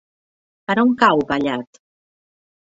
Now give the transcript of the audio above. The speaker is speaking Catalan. Per on cau Vallat?